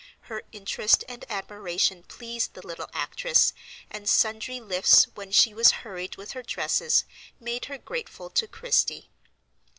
Her interest and admiration pleased the little actress, and sundry lifts when she was hurried with her dresses made her grateful to Christie.